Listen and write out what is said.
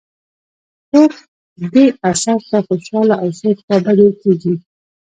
څوک دې اثر ته خوشاله او څوک خوابدي کېږي.